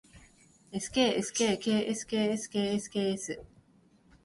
skskksksksks